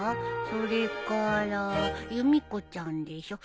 それからゆみ子ちゃんでしょ。